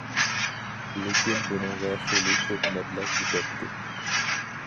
لېكىن بۇنىڭغا خېلى كۆپ مەبلەغ كېتەتتى.